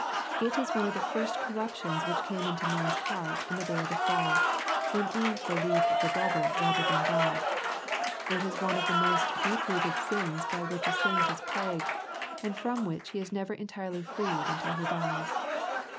It is one of the first corruptions which came into man's heart in the day of the fall, when Eve believed the devil rather than God. It is one of the most deep rooted sins by which a saint is plagued, and from which he is never entirely freed until he dies.